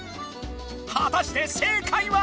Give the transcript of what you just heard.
はたして正解は！